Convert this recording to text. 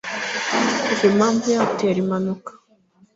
kuvamo impamvu yatera impanuka